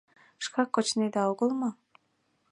— Шкак кочнеда огыл мо?